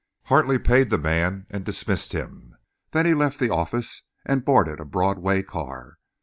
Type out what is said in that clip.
Hartley paid the man and dismissed him. Then he left the office and boarded a Broadway car.